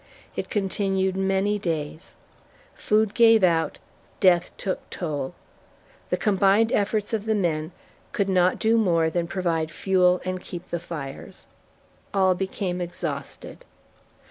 It continued many days. Food gave out, death took toll. The combined efforts of the men could not do more than provide fuel and keep the fires. All became exhausted.